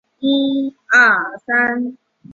舰载机随舰多次到亚丁湾执行护航任务。